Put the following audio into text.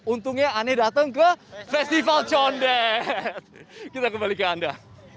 untungnya aneh datang ke festival condet kita kembali ke anda